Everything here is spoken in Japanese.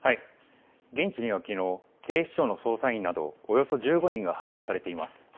現地にはきのう、警視庁の捜査員などおよそ１５人が派遣されています。